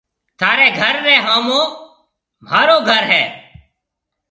ٿارَي گهر ريَ هومون مهارو گهر هيَ۔